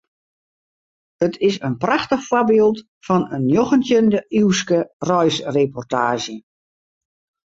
It is in prachtich foarbyld fan in njoggentjinde-iuwske reisreportaazje.